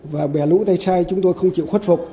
và bè lũ tay sai chúng tôi không chịu khuất phục